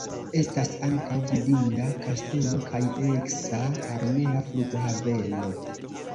Estas ankaŭ vidinda kastelo kaj eksa armea flughaveno.